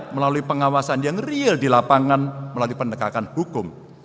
melalui pengawasan yang real di lapangan melalui pendekatan hukum